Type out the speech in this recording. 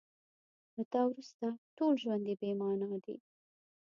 له تا وروسته ټول ژوند بې مانا دی.